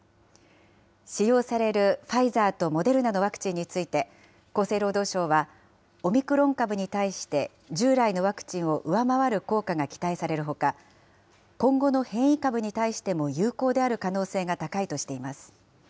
使用されるファイザーとモデルナのワクチンについて、厚生労働省は、オミクロン株に対して従来のワクチンを上回る効果が期待されるほか、今後の変異株に対しても有効である可能性が高いとしています。